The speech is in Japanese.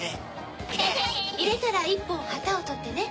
入れたら１本旗を取ってね。